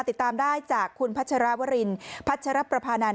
ติดตามได้จากคุณพัชรวรินพัชรประพานันท